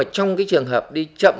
trong cái trường hợp đi chậm